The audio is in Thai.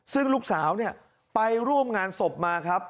ซึ่งลูกสาวไปร่วมงานศพมาครับ